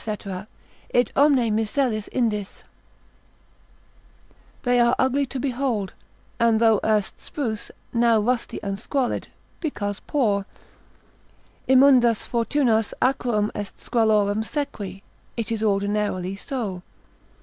Id omne misellis Indis, they are ugly to behold, and though erst spruce, now rusty and squalid, because poor, immundas fortunas aquum est squalorem sequi, it is ordinarily so.